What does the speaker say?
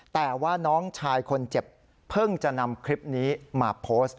แต่ว่าน้องชายคนเจ็บเพิ่งจะนำคลิปนี้มาโพสต์